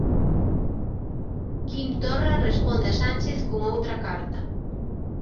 Quim Torra responde a Sánchez con outra carta.